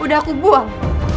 udah aku buang